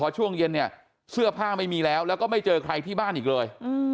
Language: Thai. ช่วงเย็นเนี่ยเสื้อผ้าไม่มีแล้วแล้วก็ไม่เจอใครที่บ้านอีกเลย